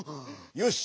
よし！